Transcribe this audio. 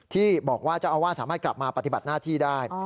ที่บอกว่าเจ้าอาวาสสามารถกลับมาปฏิบัติหน้าที่ได้